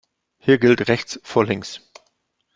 Hier gilt rechts vor links.